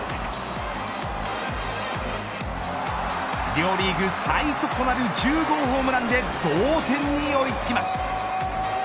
両リーグ最速となる１０号ホームランで同点に追いつきます。